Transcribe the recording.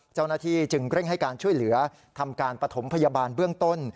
เจ้าหน้าที่จึงเร่งให้การช่วยเหลือทำการปฐมพยาบาลเบื้องต้น